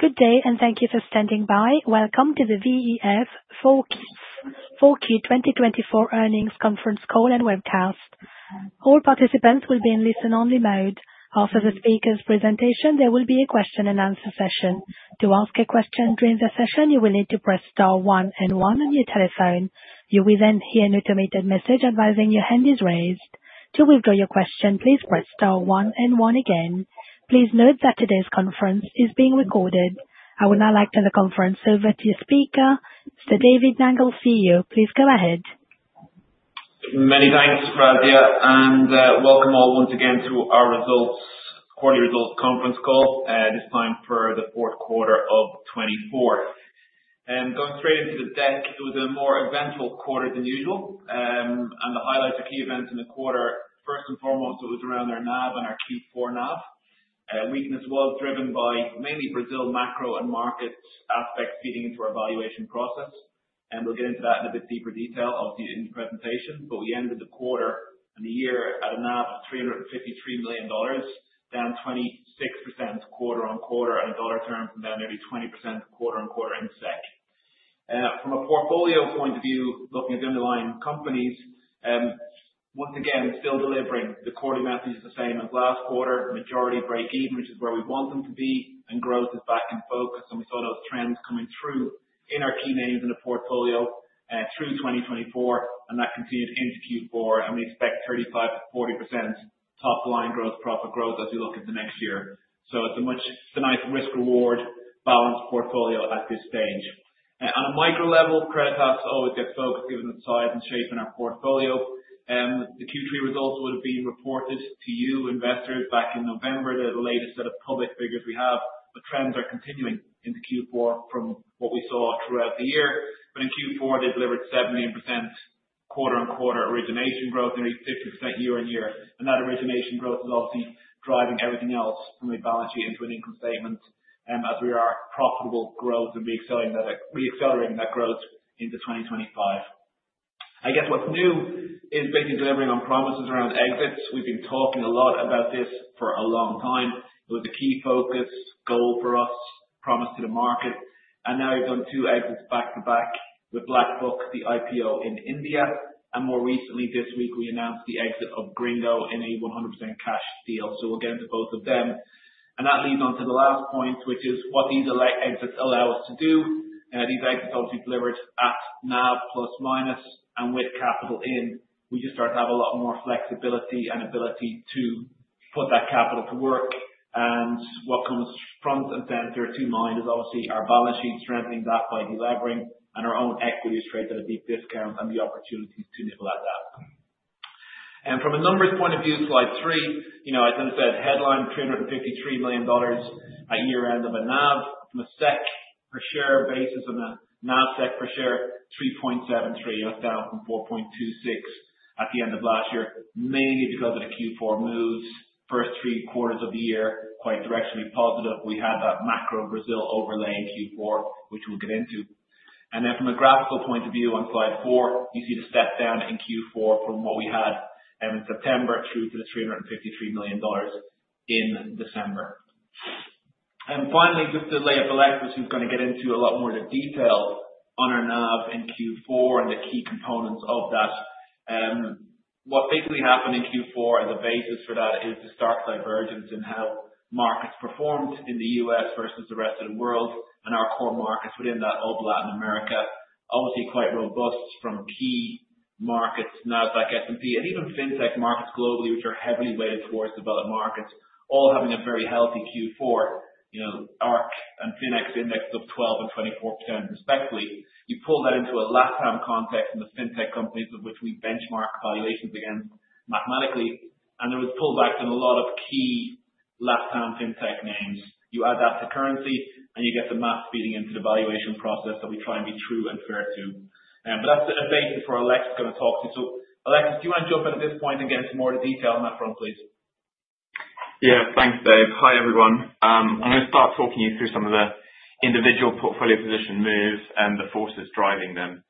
Good day, and thank you for standing by. Welcome to the VEF 4Q 2024 earnings conference call and webcast. All participants will be in listen-only mode. After the speaker's presentation, there will be a question-and-answer session. To ask a question during the session, you will need to press star one and one on your telephone. You will then hear an automated message advising your hand is raised. To withdraw your question, please press star one and one again. Please note that today's conference is being recorded. I will now turn the conference over to your speaker, David Nangle, CEO. Please go ahead. Many thanks, Razia, and welcome all once again to our quarterly results conference call, this time for the fourth quarter of 2024. Going straight into the deck, it was a more eventful quarter than usual, and the highlights are key events in the quarter. First and foremost, it was around our NAV and our Q4 NAV. Weakness was driven by mainly Brazil macro and market aspects feeding into our valuation process, and we'll get into that in a bit deeper detail, obviously, in the presentation, but we ended the quarter and the year at a NAV of $353 million, down 26% quarter on quarter on a dollar term from then nearly 20% quarter on quarter in SEK. From a portfolio point of view, looking at the underlying companies, once again, still delivering. The quarterly message is the same as last quarter, majority break-even, which is where we want them to be, and growth is back in focus. We saw those trends coming through in our key names in the portfolio through 2024, and that continued into Q4. We expect 35%-40% top-line growth, profit growth as we look into next year, so it's a nice risk-reward balanced portfolio at this stage. On a micro level, credit has always got focus given the size and shape in our portfolio. The Q3 results would have been reported to you, investors, back in November. They're the latest set of public figures we have, but trends are continuing into Q4 from what we saw throughout the year. In Q4, they delivered 17% quarter on quarter origination growth, nearly 50% year-on-year. That origination growth is obviously driving everything else from a balance sheet into an income statement as we are profitable growth and reaccelerating that growth into 2025. I guess what's new is basically delivering on promises around exits. We've been talking a lot about this for a long time. It was a key focus goal for us, promised to the market. Now we've done two exits back to back with BlackBuck, the IPO in India. More recently, this week, we announced the exit of Gringo in a 100% cash deal. We'll get into both of them. That leads on to the last point, which is what these exits allow us to do. These exits obviously delivered at NAV plus-minus and with capital in. We just start to have a lot more flexibility and ability to put that capital to work. What comes front and center to mind is obviously our balance sheet strengthening that by delivering and our own equity straight at a deep discount and the opportunities to nibble at that. From a numbers point of view, slide three, as I said, headline $353 million at year-end of a NAV from a SEK per share basis and a NAV SEK per share 3.73, 4.26 at the end of last year, mainly because of the Q4 moves. First three quarters of the year quite directionally positive. We had that macro Brazil overlay in Q4, which we'll get into. From a graphical point of view, on slide four, you see the step down in Q4 from what we had in September through to the $353 million in December. Finally, just to lay it bare, which we're going to get into a lot more detail on our NAV in Q4 and the key components of that. What basically happened in Q4 and the basis for that is the stark divergence in how markets performed in the U.S. versus the rest of the world and our core markets within that, our Latin America. Obviously, quite robust from key markets, Nasdaq, S&P, and even fintech markets globally, which are heavily weighted towards developed markets, all having a very healthy Q4. ARKK and FINX indexed up 12% and 24% respectively. You pull that into a LatAm context in the fintech companies of which we benchmark valuations against mathematically. There was pullback in a lot of key LatAm fintech names. You add that to currency, and you get the math feeding into the valuation process that we try and be true and fair to. But that's the basis for VEF is going to talk to. So Alexis, do you want to jump in at this point and get into more of the detail on that front, please? Yeah. Thanks, Dave. Hi, everyone. I'm going to start talking you through some of the individual portfolio position moves and the forces driving them.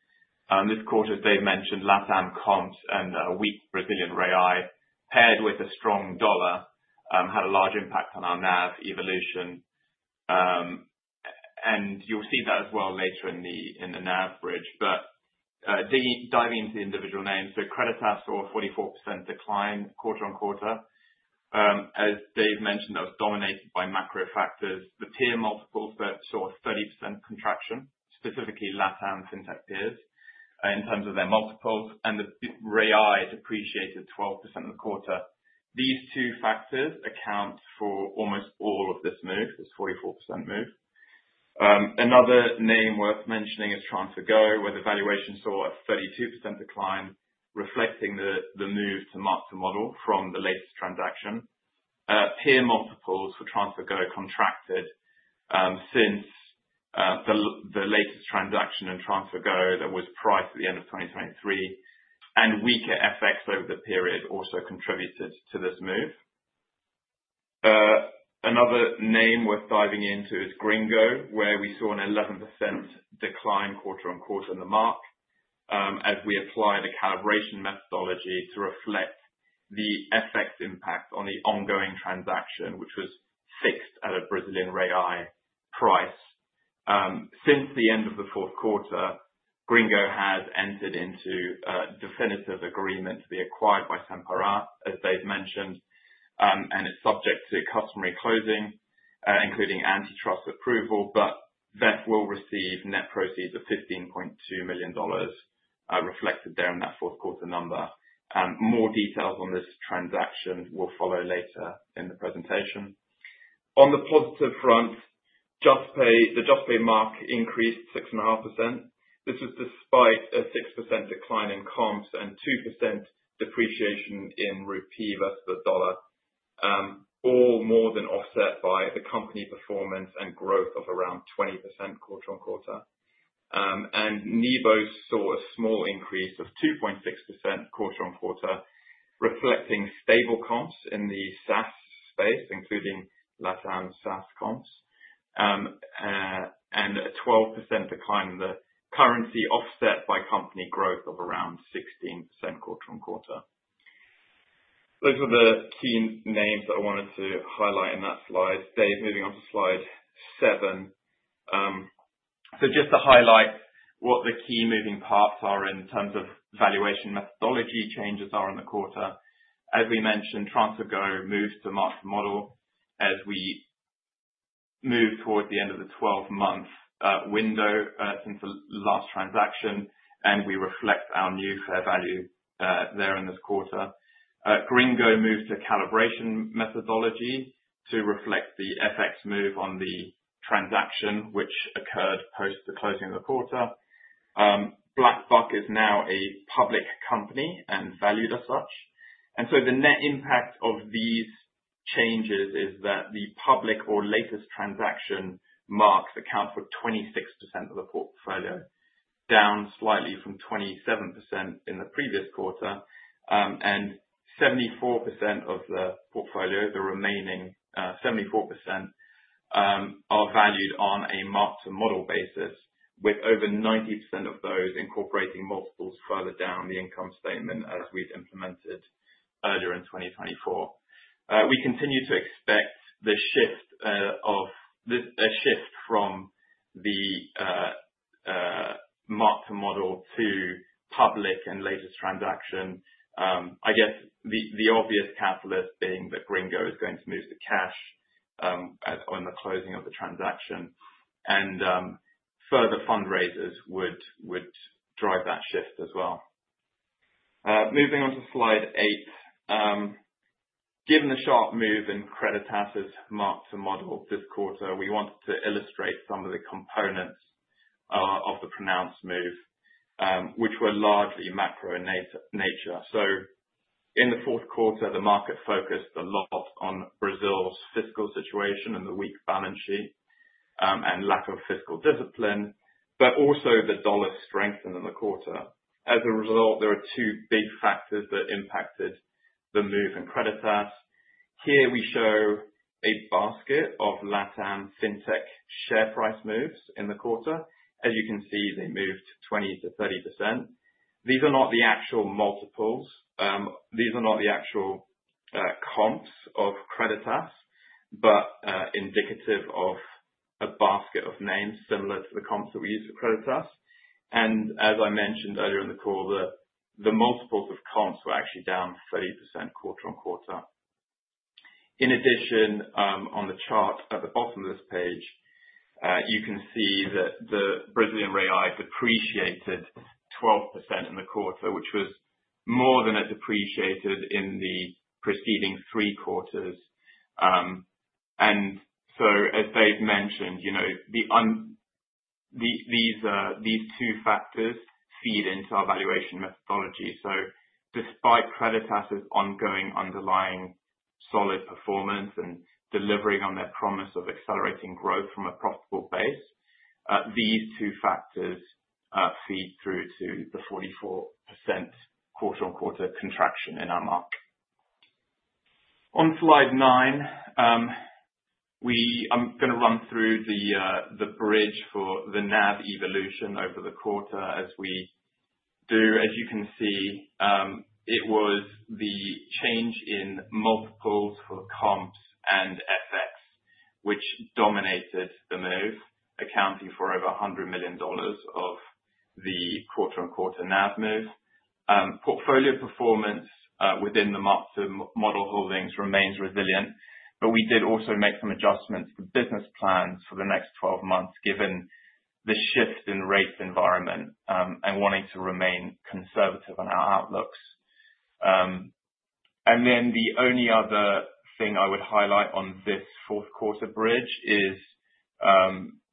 This quarter, as Dave mentioned, last-time comps and a weak Brazilian real paired with a strong dollar had a large impact on our NAV evolution, and you'll see that as well later in the NAV bridge, but diving into the individual names, so Creditas saw a 44% decline quarter on quarter. As Dave mentioned, that was dominated by macro factors. The peer multiples saw a 30% contraction, specifically LatAm fintech peers in terms of their multiples, and the real depreciated 12% in the quarter. These two factors account for almost all of this move, this 44% move. Another name worth mentioning is TransferGo, where the valuation saw a 32% decline, reflecting the move to market model from the latest transaction. Peer multiples for TransferGo contracted since the latest transaction in TransferGo that was priced at the end of 2023, and weaker FX over the period also contributed to this move. Another name worth diving into is Gringo, where we saw an 11% decline quarter on quarter in the market as we applied a calibration methodology to reflect the FX impact on the ongoing transaction, which was fixed at a Brazilian real price. Since the end of the fourth quarter, Gringo has entered into a definitive agreement to be acquired by Sem Parar, as Dave mentioned, and it's subject to customary closing, including antitrust approval. VEF will receive net proceeds of $15.2 million reflected there in that fourth quarter number. More details on this transaction will follow later in the presentation. On the positive front, the Juspay mark increased 6.5%. This was despite a 6% decline in comps and 2% depreciation in rupee versus the dollar, all more than offset by the company performance and growth of around 20% quarter on quarter. Nibo saw a small increase of 2.6% quarter on quarter, reflecting stable comps in the SaaS space, including LatAm SaaS comps, and a 12% decline in the currency offset by company growth of around 16% quarter on quarter. Those were the key names that I wanted to highlight in that slide. Dave, moving on to slide seven. Just to highlight what the key moving parts are in terms of valuation methodology changes are in the quarter. As we mentioned, TransferGo moved to market model as we move towards the end of the 12-month window since the last transaction, and we reflect our new fair value there in this quarter. Gringo moved to calibration methodology to reflect the FX move on the transaction, which occurred post the closing of the quarter. BlackBuck is now a public company and valued as such, and so the net impact of these changes is that the public or latest transaction marks account for 26% of the portfolio, down slightly from 27% in the previous quarter, and 74% of the portfolio, the remaining 74%, are valued on a market model basis, with over 90% of those incorporating multiples further down the income statement as we've implemented earlier in 2024. We continue to expect the shift from the market model to public and latest transaction. I guess the obvious catalyst being that Gringo is going to move to cash on the closing of the transaction, and further fundraisers would drive that shift as well. Moving on to slide eight. Given the sharp move in Creditas's market model this quarter, we wanted to illustrate some of the components of the pronounced move, which were largely macro in nature. So in the fourth quarter, the market focused a lot on Brazil's fiscal situation and the weak balance sheet and lack of fiscal discipline, but also the dollar strengthened in the quarter. As a result, there were two big factors that impacted the move in Creditas. Here we show a basket of LatAm fintech share price moves in the quarter. As you can see, they moved 20%-30%. These are not the actual multiples. These are not the actual comps of Creditas, but indicative of a basket of names similar to the comps that we use for Creditas, and as I mentioned earlier in the call, the multiples of comps were actually down 30% quarter on quarter. In addition, on the chart at the bottom of this page, you can see that the Brazilian real depreciated 12% in the quarter, which was more than it depreciated in the preceding three quarters. And so, as Dave mentioned, these two factors feed into our valuation methodology. So despite Creditas's ongoing underlying solid performance and delivering on their promise of accelerating growth from a profitable base, these two factors feed through to the 44% quarter on quarter contraction in our mark. On slide nine, I'm going to run through the bridge for the NAV evolution over the quarter as we do. As you can see, it was the change in multiples for comps and FX, which dominated the move, accounting for over $100 million of the quarter on quarter NAV move. Portfolio performance within the market model holdings remains resilient. But we did also make some adjustments to business plans for the next 12 months given the shift in rates environment and wanting to remain conservative on our outlooks. And then the only other thing I would highlight on this fourth quarter bridge is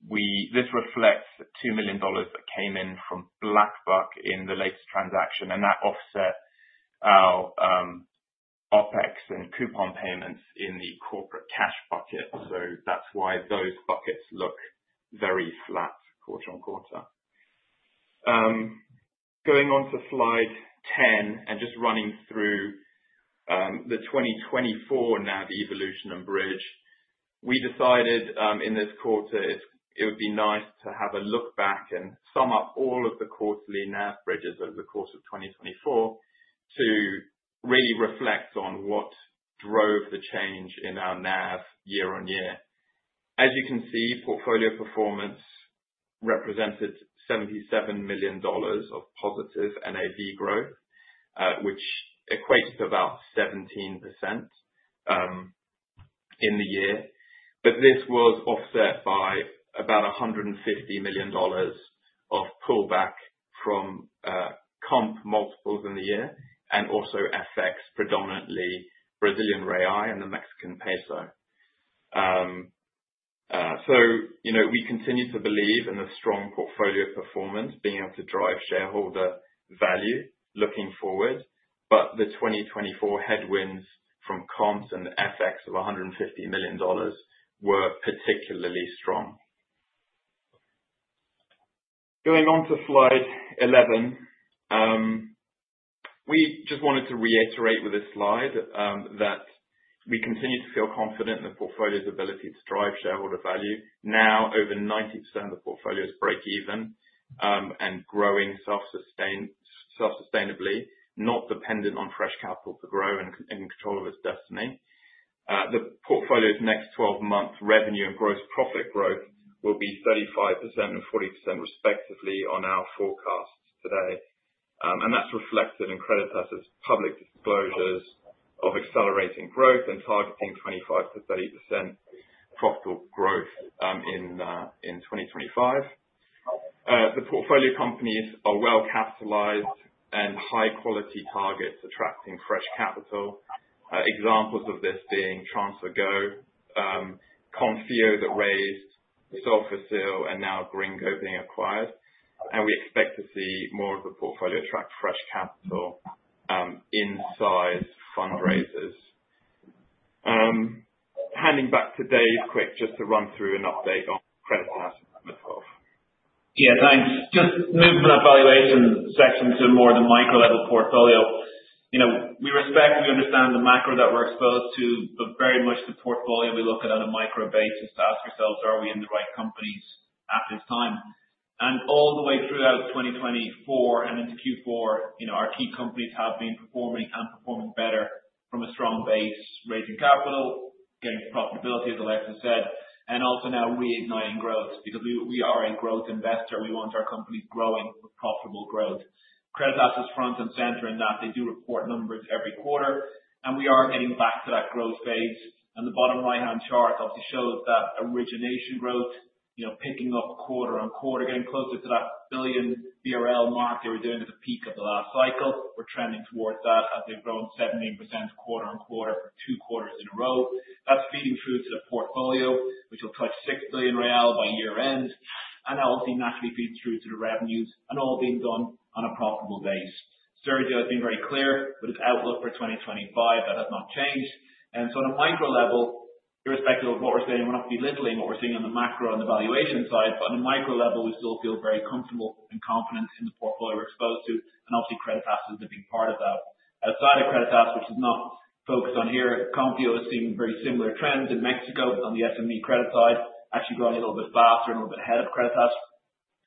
this reflects $2 million that came in from BlackBuck in the latest transaction. And that offset our OpEx and coupon payments in the corporate cash bucket. So that's why those buckets look very flat quarter on quarter. Going on to slide 10 and just running through the 2024 NAV evolution and bridge, we decided in this quarter it would be nice to have a look back and sum up all of the quarterly NAV bridges over the course of 2024 to really reflect on what drove the change in our NAV year-on-year. As you can see, portfolio performance represented $77 million of positive NAV growth, which equates to about 17% in the year. But this was offset by about $150 million of pullback from comp multiples in the year and also FX, predominantly Brazilian real and the Mexican peso. So we continue to believe in the strong portfolio performance, being able to drive shareholder value looking forward. But the 2024 headwinds from comps and FX of $150 million were particularly strong. Going on to slide 11, we just wanted to reiterate with this slide that we continue to feel confident in the portfolio's ability to drive shareholder value. Now, over 90% of the portfolio is break-even and growing self-sustainably, not dependent on fresh capital to grow and in control of its destiny. The portfolio's next 12-month revenue and gross profit growth will be 35% and 40% respectively on our forecasts today. And that's reflected in Creditas's public disclosures of accelerating growth and targeting 25%-30% profitable growth in 2025. The portfolio companies are well-capitalized and high-quality targets attracting fresh capital, examples of this being TransferGo, Konfio that raised, Solfácil, and now Gringo being acquired. And we expect to see more of the portfolio attract fresh capital in sizable fundraisers. Handing back to Dave quick, just to run through an update on Creditas in itself. Yeah, thanks. Just moving from that valuation section to more of the micro-level portfolio. We respect, we understand the macro that we're exposed to, but very much the portfolio we look at on a micro basis to ask ourselves, are we in the right companies at this time? And all the way throughout 2024 and into Q4, our key companies have been performing and performing better from a strong base, raising capital, getting profitability, as Alexis said, and also now reigniting growth because we are a growth investor. We want our companies growing with profitable growth. Creditas is front and center in that they do report numbers every quarter. And we are getting back to that growth phase. And the bottom right-hand chart obviously shows that origination growth, picking up quarter on quarter, getting closer to that 1 billion BRL mark they were doing at the peak of the last cycle. We're trending towards that as they've grown 17% quarter on quarter for two quarters in a row. That's feeding through to the portfolio, which will touch 6 billion real by year-end. And that obviously naturally feeds through to the revenues and all being done on a profitable base. Sergio has been very clear with his outlook for 2025. That has not changed. And so on a micro level, irrespective of what we're saying, we're not belittling what we're seeing on the macro on the valuation side. But on a micro level, we still feel very comfortable and confident in the portfolio we're exposed to. And obviously, Creditas is a big part of that. Outside of Creditas, which is not focused on here, Konfio is seeing very similar trends in Mexico, but on the SME credit side, actually growing a little bit faster, a little bit ahead of Creditas,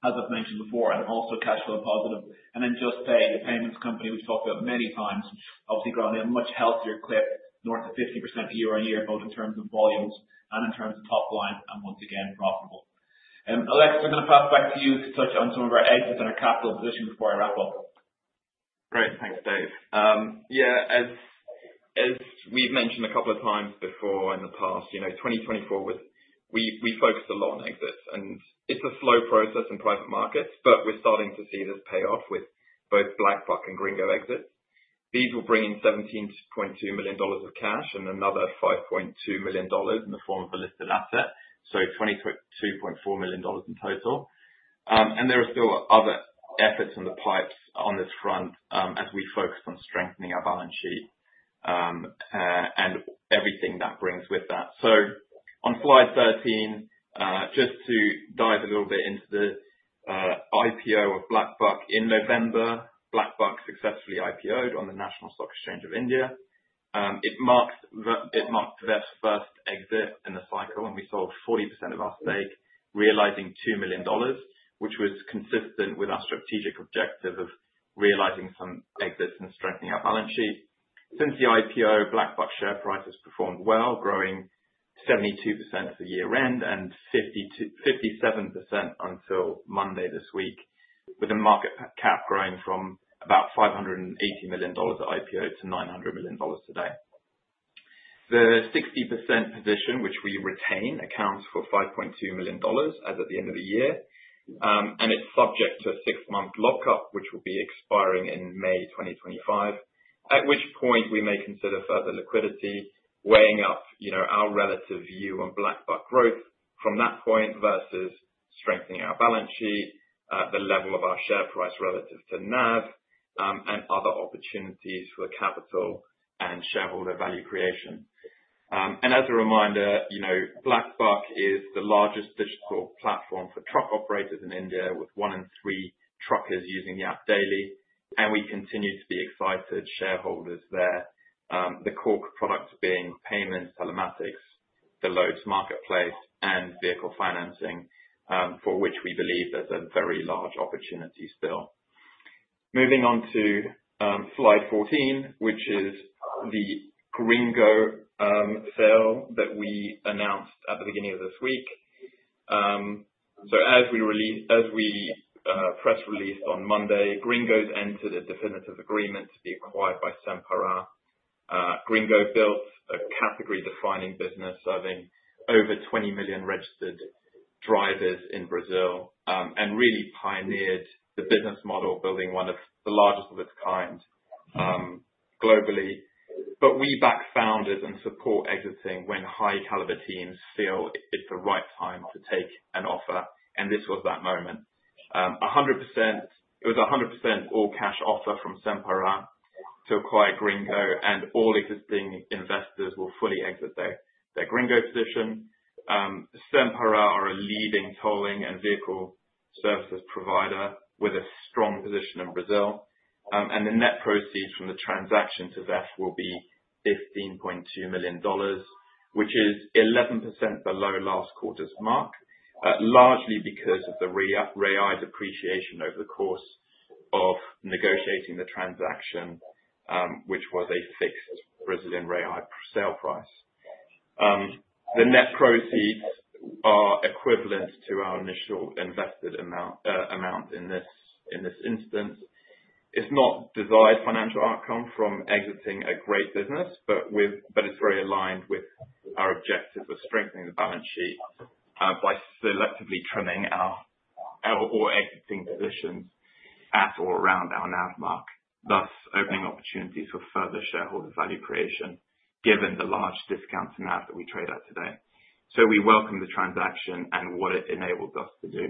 as I've mentioned before, and also cash flow positive. And then Juspay, the payments company we've talked about many times, obviously growing at a much healthier clip, north of 50% year-on-year, both in terms of volumes and in terms of top line, and once again, profitable. And Alexis, we're going to pass back to you to touch on some of our exits and our capital position before I wrap up. Great. Thanks, Dave. Yeah, as we've mentioned a couple of times before in the past, 2024, we focused a lot on exits. And it's a slow process in private markets, but we're starting to see this pay off with both BlackBuck and Gringo exits. These will bring in $17.2 million of cash and another $5.2 million in the form of a listed asset, so $22.4 million in total. And there are still other efforts in the pipes on this front as we focus on strengthening our balance sheet and everything that brings with that. So on slide 13, just to dive a little bit into the IPO of BlackBuck, in November, BlackBuck successfully IPO'd on the National Stock Exchange of India. It marked their first exit in the cycle, and we sold 40% of our stake, realizing $2 million, which was consistent with our strategic objective of realizing some exits and strengthening our balance sheet. Since the IPO, BlackBuck share price has performed well, growing 72% for year-end and 57% until Monday this week, with a market cap growing from about $580 million at IPO to $900 million today. The 60% position, which we retain, accounts for $5.2 million as at the end of the year, and it's subject to a six-month lockup, which will be expiring in May 2025, at which point we may consider further liquidity, weighing up our relative view on BlackBuck growth from that point versus strengthening our balance sheet, the level of our share price relative to NAV, and other opportunities for capital and shareholder value creation. As a reminder, BlackBuck is the largest digital platform for truck operators in India, with one in three truckers using the app daily. We continue to be excited shareholders there, the core products being payments, telematics, the loads marketplace, and vehicle financing, for which we believe there's a very large opportunity still. Moving on to slide 14, which is the Gringo sale that we announced at the beginning of this week. As per the press release on Monday, Gringo has entered a definitive agreement to be acquired by Sem Parar. Gringo built a category-defining business serving over 20 million registered drivers in Brazil and really pioneered the business model, building one of the largest of its kind globally. We backed and support exiting when high-caliber teams feel it's the right time to take an offer. This was that moment. It was a 100% all-cash offer from Sem Parar to acquire Gringo, and all existing investors will fully exit their Gringo position. Sem Parar are a leading tolling and vehicle services provider with a strong position in Brazil. The net proceeds from the transaction to VEF will be $15.2 million, which is 11% below last quarter's mark, largely because of the real depreciation over the course of negotiating the transaction, which was a fixed Brazilian real sale price. The net proceeds are equivalent to our initial invested amount in this instance. It's not the desired financial outcome from exiting a great business, but it's very aligned with our objective of strengthening the balance sheet by selectively trimming our or exiting positions at or around our NAV mark, thus opening opportunities for further shareholder value creation, given the large discounts in NAV that we trade at today. We welcome the transaction and what it enables us to do.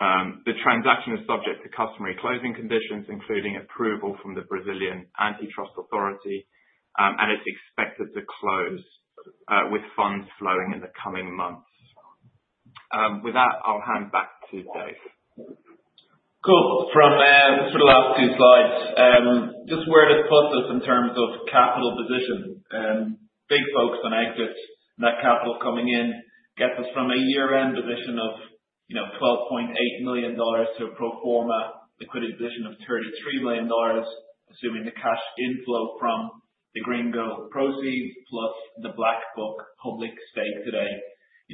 The transaction is subject to customary closing conditions, including approval from the Brazilian Antitrust Authority. It's expected to close with funds flowing in the coming months. With that, I'll hand back to Dave. Cool. For the last two slides, just where this puts us in terms of capital position. Big focus on exits, net capital coming in, gets us from a year-end position of $12.8 million to a pro forma liquidity position of $33 million, assuming the cash inflow from the Gringo proceeds plus the BlackBuck public stake today.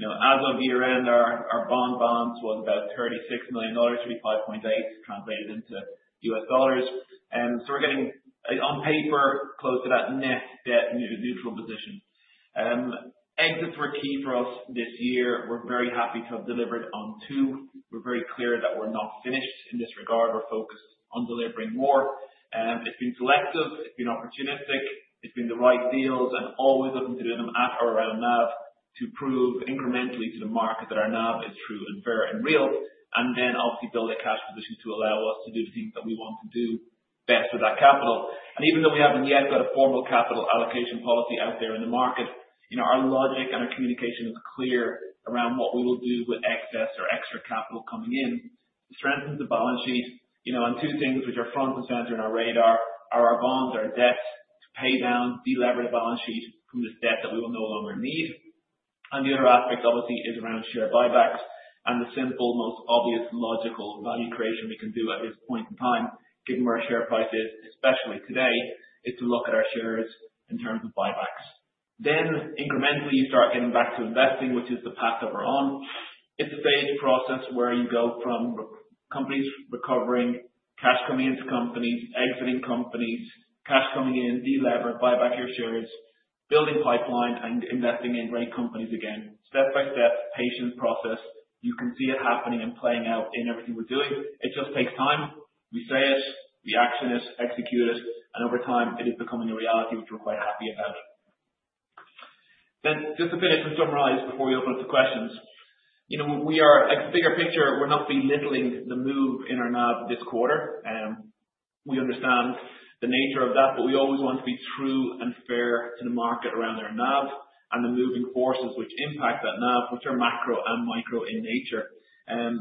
As of year-end, our bond balance was about $36 million, $35.8 million, translated into U.S. dollars, and so we're getting, on paper, close to that net debt neutral position. Exits were key for us this year. We're very happy to have delivered on two. We're very clear that we're not finished in this regard. We're focused on delivering more. It's been selective. It's been opportunistic. It's been the right deals, and always looking to do them at or around NAV to prove incrementally to the market that our NAV is true and fair and real. And then obviously build a cash position to allow us to do the things that we want to do best with that capital. And even though we haven't yet got a formal capital allocation policy out there in the market, our logic and our communication is clear around what we will do with excess or extra capital coming in to strengthen the balance sheet. And two things which are front and center in our radar are our bonds, our debts, to pay down, deleverage the balance sheet from this debt that we will no longer need. And the other aspect, obviously, is around share buybacks. And the simple, most obvious, logical value creation we can do at this point in time, given where share price is, especially today, is to look at our shares in terms of buybacks. Then incrementally, you start getting back to investing, which is the path that we're on. It's a staged process where you go from companies recovering, cash coming into companies, exiting companies, cash coming in, deleverage, buyback your shares, building pipeline, and investing in great companies again. Step by step, patient process. You can see it happening and playing out in everything we're doing. It just takes time. We say it, we action it, execute it. And over time, it is becoming a reality, which we're quite happy about. Then just to finish and summarize before we open up to questions. We are, at the bigger picture, we're not belittling the move in our NAV this quarter. We understand the nature of that, but we always want to be true and fair to the market around our NAV and the moving forces which impact that NAV, which are macro and micro in nature.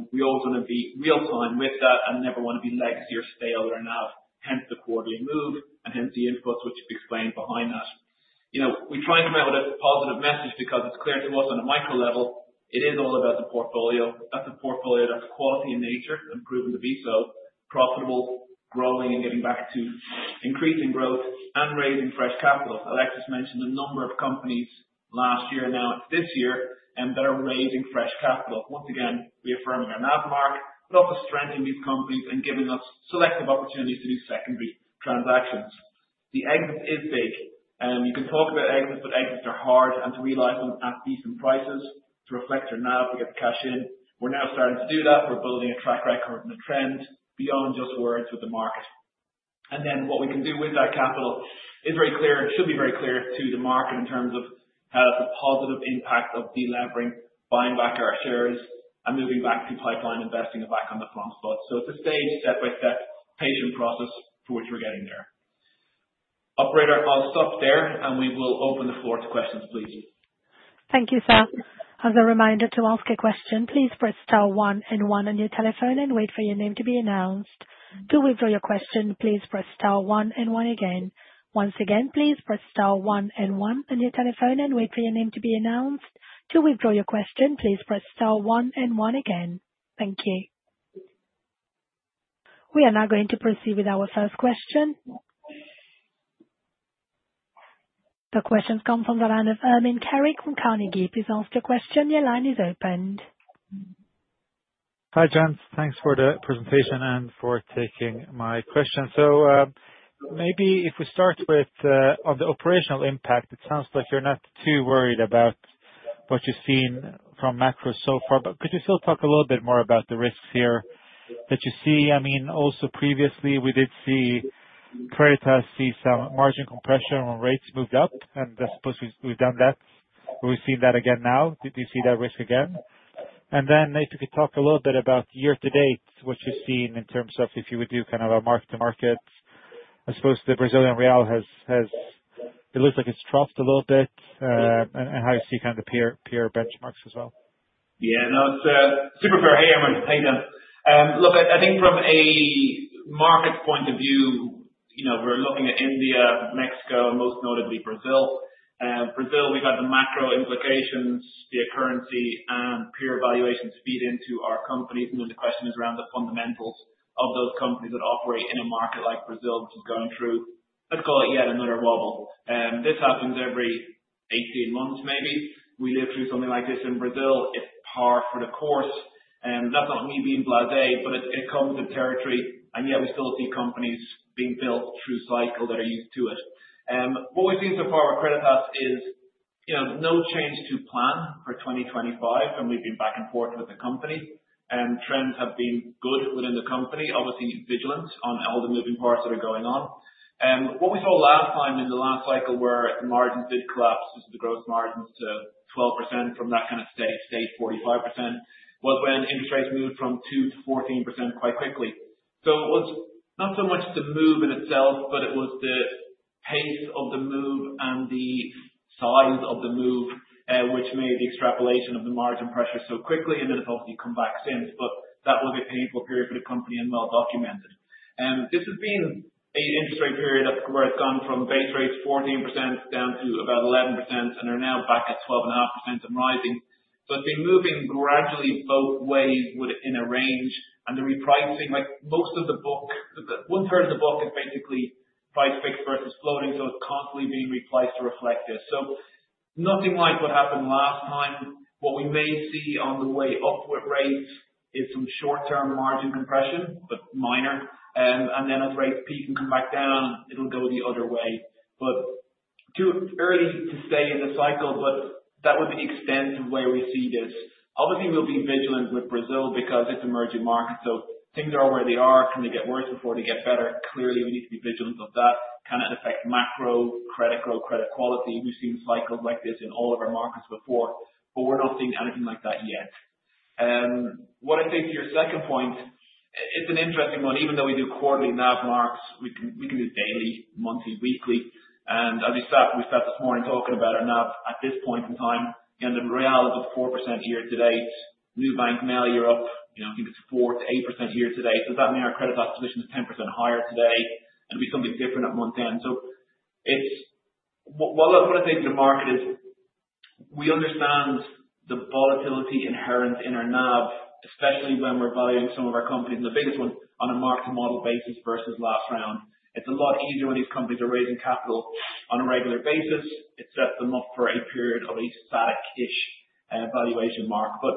We always want to be real-time with that and never want to be legacy or stale with our NAV, hence the quarterly move and hence the inputs which explain behind that. We try and come out with a positive message because it's clear to us on a micro level, it is all about the portfolio. That's a portfolio that's quality in nature and proven to be so, profitable, growing and getting back to increasing growth and raising fresh capital. Alexis mentioned a number of companies last year, now this year, and that are raising fresh capital. Once again, reaffirming our NAV mark, but also strengthening these companies and giving us selective opportunities to do secondary transactions. The exit is big. You can talk about exits, but exits are hard and to realize them at decent prices to reflect your NAV to get the cash in. We're now starting to do that. We're building a track record and a trend beyond just words with the market. And then what we can do with that capital is very clear and should be very clear to the market in terms of how that's a positive impact of delivering, buying back our shares, and moving back to pipeline investing and back on the front spot. So it's a staged step-by-step patient process for which we're getting there. Operator, I'll stop there, and we will open the floor to questions, please. Thank you, sir. As a reminder to ask a question, please press star one and one on your telephone and wait for your name to be announced. To withdraw your question, please press star one and one again. Once again, please press star one and one on your telephone and wait for your name to be announced. To withdraw your question, please press star one and one again. Thank you. We are now going to proceed with our first question. The questions come from the line of Ermin Keric from Carnegie. Please ask your question. Your line is open. Hi, David. Thanks for the presentation and for taking my question. So maybe if we start with the operational impact, it sounds like you're not too worried about what you've seen from macro so far. But could you still talk a little bit more about the risks here that you see? I mean, also previously, we did see Creditas see some margin compression when rates moved up. And I suppose we've done that. We've seen that again now. Do you see that risk again? And then if you could talk a little bit about year-to-date, what you've seen in terms of if you would do kind of a mark-to-market. I suppose the Brazilian real has, it looks like, it's troughed a little bit. And how you see kind of the peer benchmarks as well. Yeah. No, it's super clear. Hey, Ermin. How are you doing? Look, I think from a market point of view, we're looking at India, Mexico, and most notably Brazil. Brazil, we've got the macro implications, the currency, and peer valuations feed into our companies. And then the question is around the fundamentals of those companies that operate in a market like Brazil, which is going through, let's call it yet another wobble. This happens every 18 months, maybe. We live through something like this in Brazil. It's par for the course. That's not me being blasé, but it comes in territory. And yet we still see companies being built through cycle that are used to it. What we've seen so far with Creditas is no change to plan for 2025, and we've been back and forth with the company. Trends have been good within the company, obviously vigilant on all the moving parts that are going on. What we saw last time in the last cycle where the gross margins did collapse to 12% from that kind of steady state 45% was when interest rates moved from 2% to 14% quite quickly. It was not so much the move in itself, but it was the pace of the move and the size of the move, which made the extrapolation of the margin pressure so quickly. It's obviously come back since, but that was a painful period for the company and well documented. This has been an interest rate period where it's gone from base rates 14% down to about 11% and are now back at 12.5% and rising. It's been moving gradually both ways in a range. And the repricing, like most of the book, one-third of the book is basically price fixed versus floating. So it's constantly being repriced to reflect this. So nothing like what happened last time. What we may see on the way upward rates is some short-term margin compression, but minor. And then as rates peak and come back down, it'll go the other way. But too early to say in the cycle, but that would be the extent of where we see this. Obviously, we'll be vigilant with Brazil because it's emerging markets. So things are where they are. Can they get worse before they get better? Clearly, we need to be vigilant of that. Kind of affect macro, credit growth, credit quality. We've seen cycles like this in all of our markets before, but we're not seeing anything like that yet. What I say to your second point, it's an interesting one. Even though we do quarterly NAV marks, we can do daily, monthly, weekly. As we said, we sat this morning talking about our NAV at this point in time. The real is up 4% year-to-date. Nubank, you're up, I think it's 4%-8% year-to-date. Does that mean our Creditas position is 10% higher today? It'll be something different at month end. What I say to the market is we understand the volatility inherent in our NAV, especially when we're valuing some of our companies, and the biggest one on a market model basis versus last round. It's a lot easier when these companies are raising capital on a regular basis. It sets them up for a period of a static-ish valuation mark. But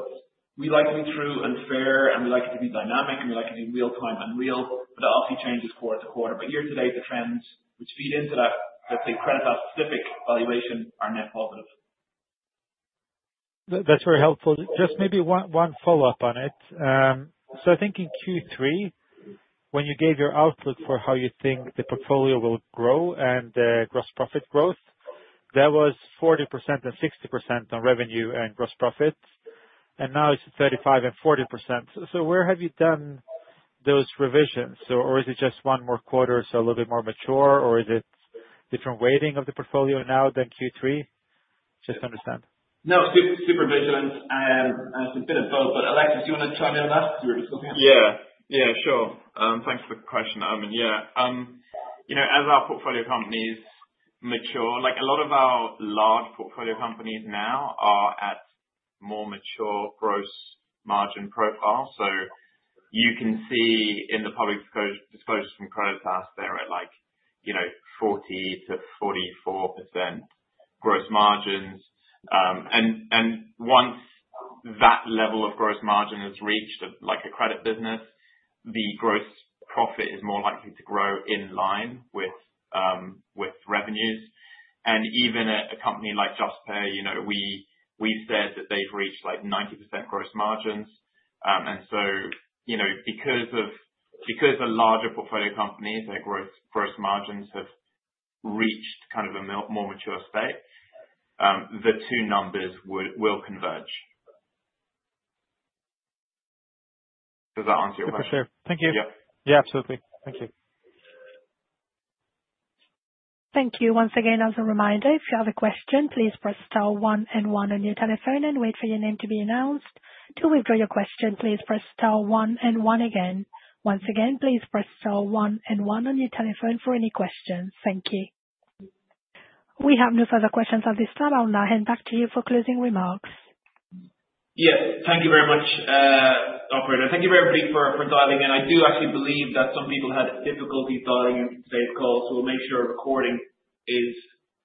we like to be true and fair, and we like it to be dynamic, and we like it to be real-time and real. But that obviously changes quarter to quarter. But year-to-date, the trends which feed into that, let's say Creditas-specific valuation are net positive. That's very helpful. Just maybe one follow-up on it. So I think in Q3, when you gave your outlook for how you think the portfolio will grow and the gross profit growth, that was 40% and 60% on revenue and gross profit. And now it's 35% and 40%. So where have you done those revisions? Or is it just one more quarter or a little bit more mature? Or is it different weighting of the portfolio now than Q3? Just to understand. No, super vigilant. It's a bit of both. But Alexis, do you want to chime in on that? Is that what you were just looking at? Yeah. Yeah, sure. Thanks for the question, Ermin. Yeah. As our portfolio companies mature, a lot of our large portfolio companies now are at more mature gross margin profiles. So you can see in the public disclosures from Creditas they're at 40%-44% gross margins. And once that level of gross margin is reached at a credit business, the gross profit is more likely to grow in line with revenues. And even at a company like Juspay, we've said that they've reached 90% gross margins. And so because of larger portfolio companies, their gross margins have reached kind of a more mature state, the two numbers will converge. Does that answer your question? For sure. Thank you. Yeah. Yeah, absolutely. Thank you. Thank you. Once again, as a reminder, if you have a question, please press star one and one on your telephone and wait for your name to be announced. To withdraw your question, please press star one and one again. Once again, please press star one and one on your telephone for any questions. Thank you. We have no further questions at this time. I'll now hand back to you for closing remarks. Yes. Thank you very much, Operator. Thank you for everybody for dialing in. I do actually believe that some people had difficulty dialing in to this call. So we'll make sure a recording is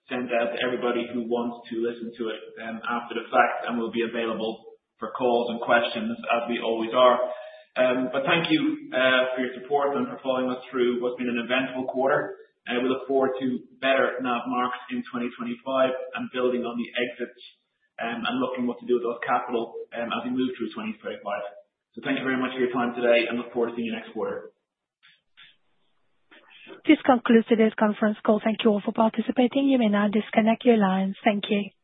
sent out to everybody who wants to listen to it after the fact and will be available for calls and questions as we always are. But thank you for your support and for following us through what's been an eventful quarter. We look forward to better NAV marks in 2025 and building on the exits and looking at what to do with those capital as we move through 2025. So thank you very much for your time today and look forward to seeing you next quarter. This concludes today's conference call. Thank you all for participating. You may now disconnect your lines. Thank you.